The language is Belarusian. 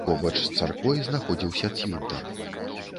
Побач з царквой знаходзіўся цвінтар.